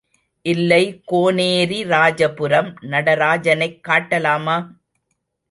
இல்லை கோனேரிராஜபுரம் நடராஜனைக் காட்டலாமா?